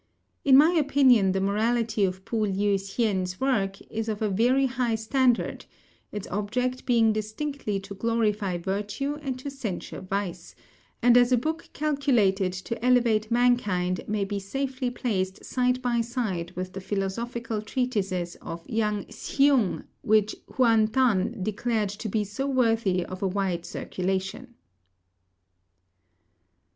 In my opinion the morality of P'u Liu hsien's work is of a very high standard, its object being distinctly to glorify virtue and to censure vice, and as a book calculated to elevate mankind may be safely placed side by side with the philosophical treatises of Yang Hsiung which Huan Tan declared to be so worthy of a wide circulation."